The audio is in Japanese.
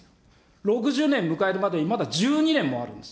６０年迎えるまでに、まだ１２年もあるんです。